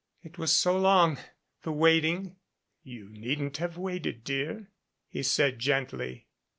It was so long the waiting." "You needn't have waited, dear," he said gently.